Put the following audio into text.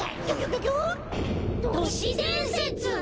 都市伝説！？